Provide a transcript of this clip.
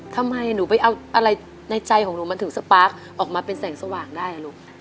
ทำไมหนูไปเอาอะไรในใจของหนูมันถึงสปาร์คออกมาเป็นแสงสว่างได้ลูก